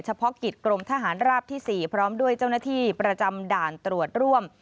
เฉพาะกิจกรมทหารราบที่๔พร้อมด้วยเจ้าหน้าที่ประจำด่านตรวจร่วม